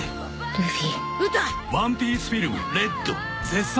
ルフィ！